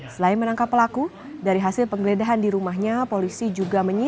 selain menangkap pelaku dari hasil penggeledahan di rumahnya polisi juga menyimpan